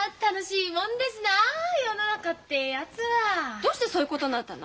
どうしてそういうことになったの？